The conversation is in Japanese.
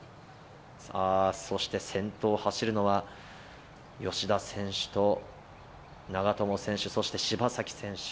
さあ、そして先頭を走るのは、吉田選手と長友選手、そして柴崎選手。